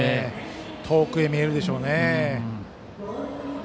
遠くへ見えるんでしょうね。